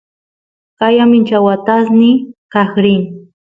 qaya mincha watasniy kaq rin